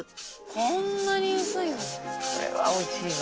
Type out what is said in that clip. こんなに薄いんだ。